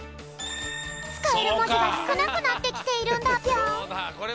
つかえるもじがすくなくなってきているんだぴょん。